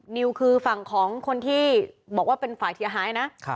นิวคือฝั่งของคนที่บอกว่าเป็นฝ่ายเสียหายนะ